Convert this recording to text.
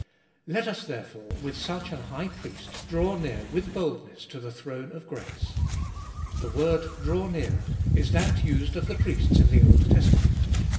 Let us therefore, with such an High Priest, draw near with boldness to the throne of grace. The word, draw near, is that used of the priests in the Old Testament.